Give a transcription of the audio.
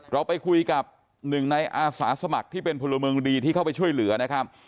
เราไปคุยกับหนึ่งในอาสาสมัครที่เป็นพลเมืองดีที่เข้าไปช่วยเหลือนะครับ